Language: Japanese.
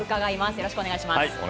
よろしくお願いします。